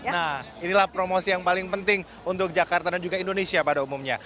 nah inilah promosi yang paling penting untuk jakarta dan juga indonesia pada umumnya